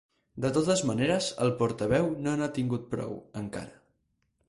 De totes maneres, el portaveu no n’ha tingut prou, encara.